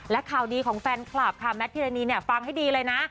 และข่าวดีของแฟนคลับค่ะแมทพิรณีเนี่ยฟังให้ดีเลยนะ